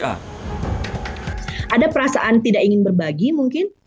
ada perasaan tidak ingin berbagi mungkin